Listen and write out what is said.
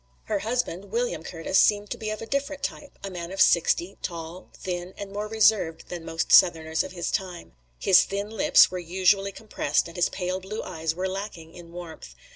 Her husband, William Curtis, seemed to be of a different type, a man of sixty, tall, thin and more reserved than most Southerners of his time. His thin lips were usually compressed and his pale blue eyes were lacking in warmth.